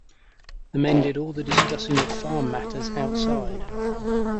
The men did all the discussing of farm matters outside.